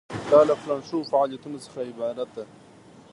دا له پلان شوو فعالیتونو څخه عبارت ده.